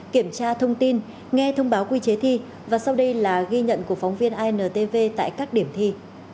kiểm tra thông tin nghe thông báo quy chế thi và sau đây là ghi nhận của phóng viên intv tại các điểm thi